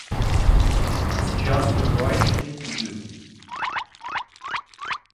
It's just the right thing to do.